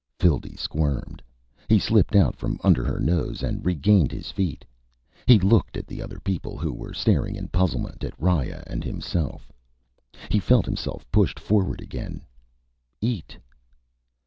_ Phildee squirmed. He slipped out from under her nose and regained his Feet. He looked at the other people, who were staring in puzzlement at Riya and himself. He felt himself pushed forward again. _Eat.